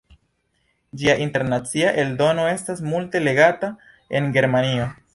Ĝia internacia eldono estas multe legata en Germanio.